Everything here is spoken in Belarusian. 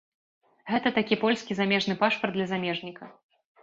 Гэта такі польскі замежны пашпарт для замежніка.